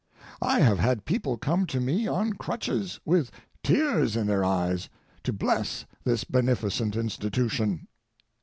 I have had people come to me on crutches, with tears in their eyes, to bless this beneficent institution.